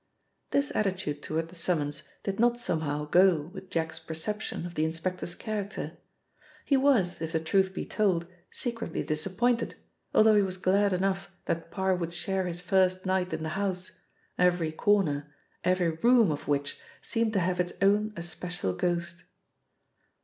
This attitude toward the summons did not somehow go with Jack's perception of the inspector's character. He was, if the truth be told, secretly disappointed, although he was glad enough that Parr would share his first night in the house, every corner, every room of which, seemed to have its own especial ghost.